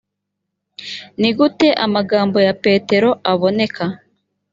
ni gute amagambo ya petero aboneka